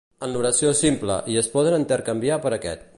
En l'oració simple i es poden intercanviar per aquest.